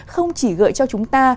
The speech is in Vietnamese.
không chỉ gợi cho chúng ta